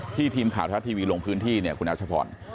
ทีมข่าวทัศน์ทีวีลงพื้นที่เนี่ยคุณอรัชพร